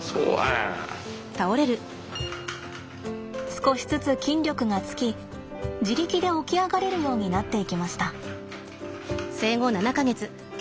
少しずつ筋力がつき自力で起き上がれるようになっていきました。